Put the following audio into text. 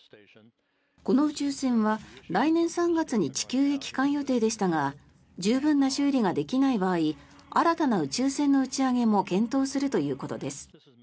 この宇宙船は来年３月に地球へ帰還予定でしたが十分な修理ができない場合新たな宇宙船の打ち上げも検討するということです。